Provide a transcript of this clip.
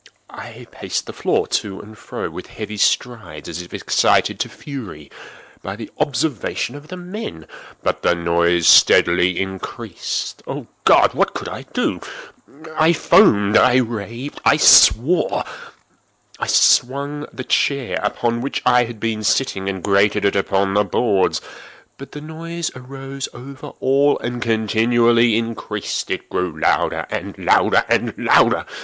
I paced the floor to and fro with heavy strides, as if excited to fury by the observations of the men—but the noise steadily increased. Oh God! what could I do? I foamed—I raved—I swore! I swung the chair upon which I had been sitting, and grated it upon the boards, but the noise arose over all and continually increased. It grew louder—louder—louder!